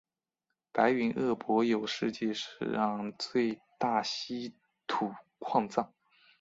白云鄂博有世界上最大稀土矿藏。